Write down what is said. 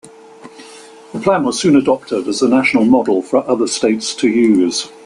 The plan was soon adopted as a national model for other states to use.